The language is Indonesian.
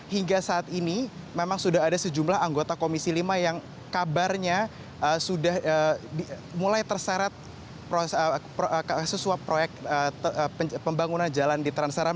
hingga saat ini memang sudah ada sejumlah anggota komisi lima yang kabarnya sudah mulai terseret sesuai proyek pembangunan jalan di transaram